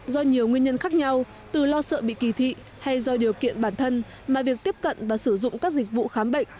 do nhiều nguyên nhân khác nhau từ lo sợ bị kỳ thị hay do điều kiện bản thân mà việc tiếp cận và sử dụng các dịch vụ khám bệnh